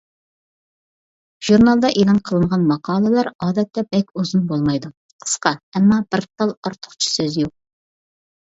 ژۇرنالدا ئېلان قىلىنغان ماقالىلەر ئادەتتە بەك ئۇزۇن بولمايدۇ، قىسقا ئەمما بىر تال ئارتۇقچە سۆز يوق.